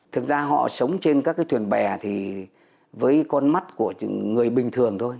thực ra họ sống trên các thuyền bẻ thì với con mắt của người bình thường thôi